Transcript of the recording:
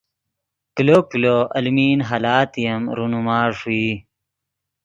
کلو کلو المین حالاتے ام رونما ݰوئی